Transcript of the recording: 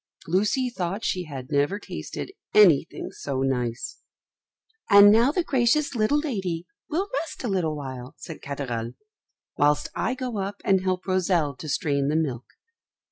Lucy thought she had never tasted anything so nice. "And now the gracious little lady will rest a little while," said Katherl, "whilst I go and help Rosel to strain the milk."